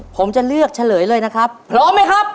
ผมจะเลือกเฉลยเลยนะครับพร้อมไหมครับ